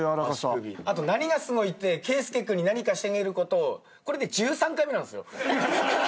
あと何がすごいって圭佑君に何かしてあげることこれで１３回目なんすよ。